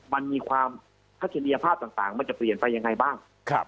มันมีความทัศนียภาพต่างมันจะเปลี่ยนไปยังไงบ้าง